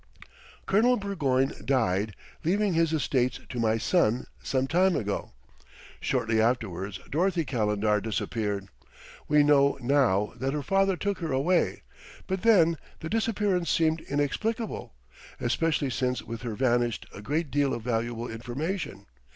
"Colonel Burgoyne died, leaving his estates to my son, some time ago. Shortly afterwards Dorothy Calendar disappeared. We know now that her father took her away, but then the disappearance seemed inexplicable, especially since with her vanished a great deal of valuable information.